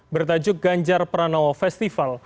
bertajuk ganjar pranowo festival